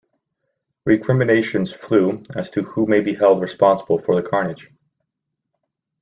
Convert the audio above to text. Recriminations flew as to who may be held responsible for the carnage.